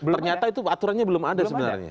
ternyata itu aturannya belum ada sebenarnya